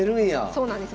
そうなんです。